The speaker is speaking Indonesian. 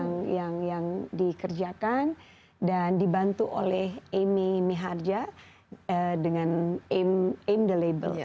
inilah hasil yang dikerjakan dan dibantu oleh amy mihaja dengan aim the label